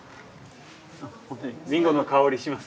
りんごの香りしますね。